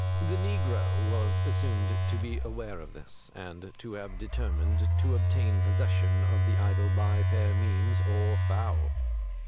The negro was assumed to be aware of this, and to have determined to obtain possession of the idol by fair means or foul.